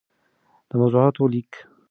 دموضوعاتو ليــک